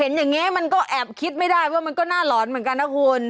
เห็นอย่างนี้มันก็แอบคิดไม่ได้ว่ามันก็น่าหลอนเหมือนกันนะคุณ